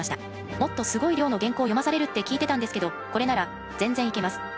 もっとすごい量の原稿を読まされるって聞いてたんですけどこれなら全然いけます。